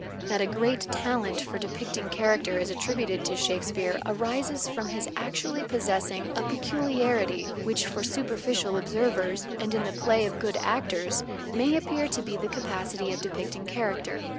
That a great talent for depicting character is attributed to Shakespeare arises from his actually possessing a peculiarity which, for superficial observers and in the play of good actors, may appear to be the capacity of depicting character.